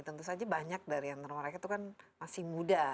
tentu saja banyak dari antara mereka itu kan masih muda